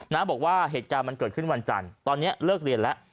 บอกว่าเหตุการณ์มันเกิดขึ้นวันจันทร์ตอนนี้เลิกเรียนแล้ว